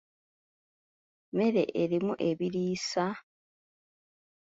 Mmere erimu ebiriisa?